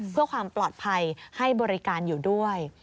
เพื่อความปลอดภัยให้บริการอยู่ด้วย